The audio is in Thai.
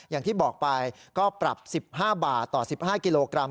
อย่างที่บอกไปก็ปรับ๑๕บาทต่อ๑๕กิโลกรัม